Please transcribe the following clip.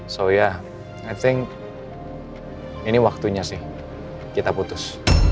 so ya i think ini waktunya sih kita putus